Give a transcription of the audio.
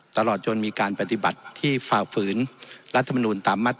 ตลอดจนมีการปฏิบัติที่ฝ่าฝืนรัฐมนูลตามมาตร